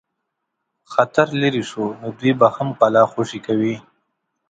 خطر لیري شو نو دوی به هم قلا خوشي کوي.